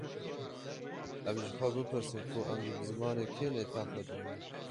Em ji xwe bipirsin ku em bi zimanê kê nêta xwe dînin